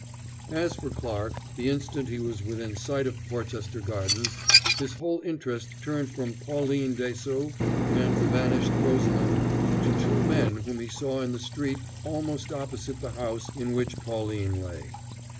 As for Clarke, the instant he was within sight of Porchester Gardens, his whole interest turned from Pauline Dessaulx and the vanished Rosalind to two men whom he saw in the street almost opposite the house in which Pauline lay.